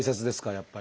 やっぱり。